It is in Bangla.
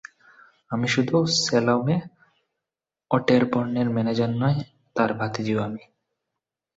আমি শুধু স্যালোমে অট্যারবোর্নের ম্যানেজারই নই, তার ভাতিঝিও আমি!